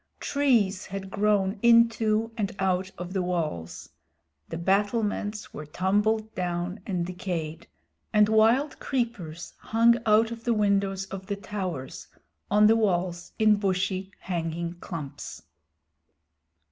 Trees had grown into and out of the walls; the battlements were tumbled down and decayed, and wild creepers hung out of the windows of the towers on the walls in bushy hanging clumps.